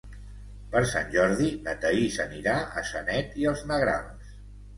Per Sant Jordi na Thaís anirà a Sanet i els Negrals.